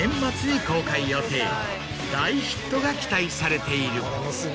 大ヒットが期待されている。